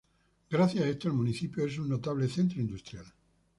Gracias a esto el municipio es un notable centro industrial.